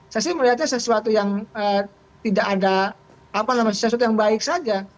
saya sih melihatnya sesuatu yang tidak ada sesuatu yang baik saja